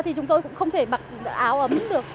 thì chúng tôi cũng không thể mặc áo ấm được